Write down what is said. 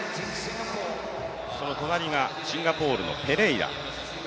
その隣がシンガポールのペレイラ。